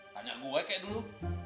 tanya gue kayak dulu